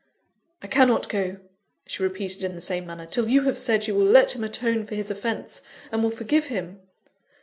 "I cannot go," she repeated in the same manner, "till you have said you will let him atone for his offence, and will forgive him."